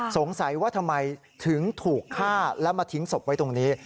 สงสัยว่าทำไมถึงถูกฆ่าแล้วมาทิ้งศพไว้ตรงนี้